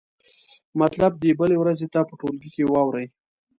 مطلب دې بلې ورځې ته په ټولګي کې واورئ.